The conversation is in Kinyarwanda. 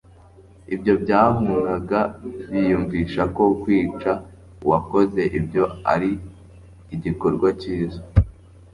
ibyo byahunaga biyumvisha ko kwica uwakoze ibyo ari igikorwa cyiza.